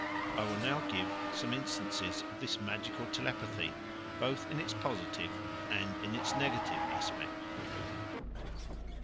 I will now give some instances of this magical telepathy both in its positive and in its negative aspect.